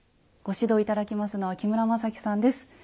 ご指導頂きますのは木村雅基さんです。